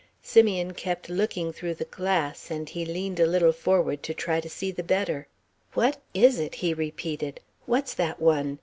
Simeon kept looking through the glass, and he leaned a little forward to try to see the better. "What is it?" he repeated, "what's that one?